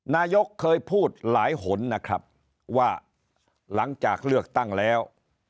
นายกเคยพูดหลายหนนะครับว่าหลังจากเลือกตั้งแล้ว